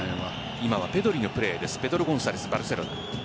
今はペドリのプレーです。